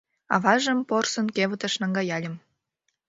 Аважым порсын кевытыш наҥгаяльым